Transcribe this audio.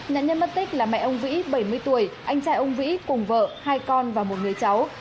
nạn nhân mất tích là mẹ ông vĩ bảy mươi tuổi anh trai ông vĩ cùng vợ hai con và một người cháu